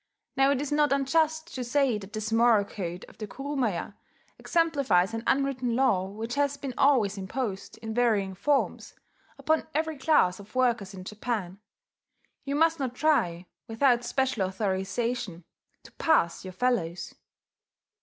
Now it is not unjust to say that this moral code of the kurumaya exemplifies an unwritten law which has been always imposed, in varying forms, upon every class of workers in Japan: "You must not try, without special authorization, to pass your fellows."